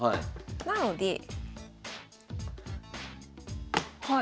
なのではい。